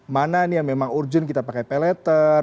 mana nih yang memang urgent kita pakai pay letter